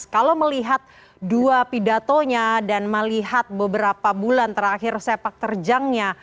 kalau melihat dua pidatonya dan melihat beberapa bulan terakhir sepak terjangnya